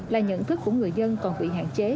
là nhận thức của người dân còn bị hạn chế